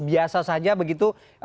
biasa saja begitu